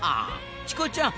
チコちゃん！